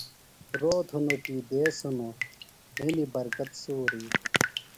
روت ہِنوۡ کیۡ دیس ہِنوۡ ، ہِنیۡ برکت سُور ی